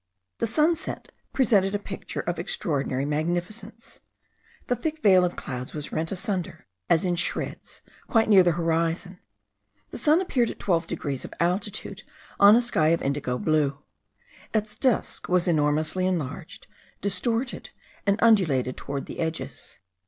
The sunset presented a picture of extraordinary magnificence. The thick veil of clouds was rent asunder, as in shreds, quite near the horizon; the sun appeared at 12 degrees of altitude on a sky of indigo blue. Its disk was enormously enlarged, distorted, and undulated toward the edges.